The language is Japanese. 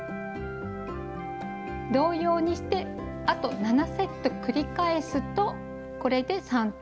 同様にしてあと７セット繰り返すとこれで３段めが編めました。